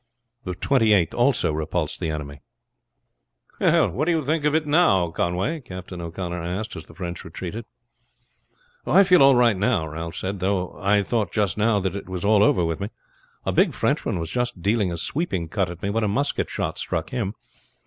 The Twenty eighth also repulsed the enemy. "What do you think of it now, Conway?" Captain O'Connor asked as the French retreated. "I feel all right now," Ralph said; "though I thought just now that it was all over with me. A big Frenchman was just dealing a sweeping cut at me when a musket shot struck him.